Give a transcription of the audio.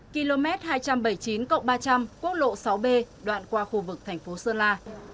km hai trăm bảy mươi chín ba trăm linh quốc lộ sáu b đoạn qua khu vực thành phố sơn la